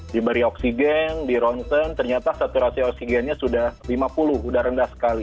diberi oksigen di ronsen ternyata saturasi oksigennya sudah lima puluh sudah rendah sekali